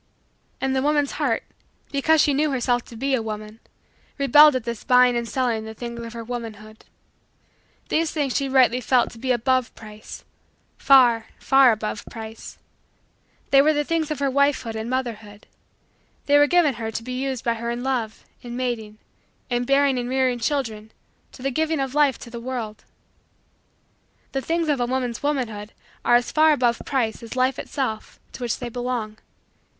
And the woman's heart, because she knew herself to be a woman, rebelled at this buying and selling the things of her womanhood. These things she rightly felt to be above price far, far, above price. They were the things of her wifehood and motherhood. They were given her to be used by her in love, in mating, in bearing and rearing children, in the giving of life to the world. The things of a woman's womanhood are as far above price as life itself to which they belong.